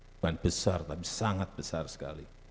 bukan besar tapi sangat besar sekali